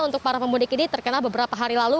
untuk para pemudik ini terkena beberapa hari lalu